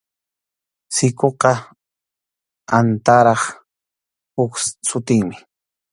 Sikuqa antarap huk sutinmi.